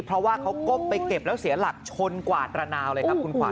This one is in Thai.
เพราะว่าเขาก้มไปเก็บแล้วเสียหลักชนกวาดระนาวเลยครับคุณขวัญ